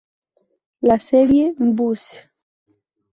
La serie "Buzz!